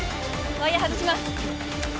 ワイヤー外します